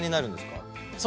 そうですね。